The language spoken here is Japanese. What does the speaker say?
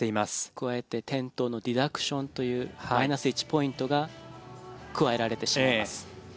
加えて転倒のディダクションというマイナス１ポイントが加えられてしまいます。